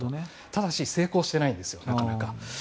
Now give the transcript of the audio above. ただし、成功してないんですよなかなか。